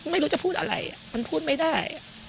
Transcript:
ไม่รู้จะพูดอะไรมันพูดไม่ได้